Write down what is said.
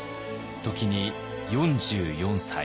時に４４歳。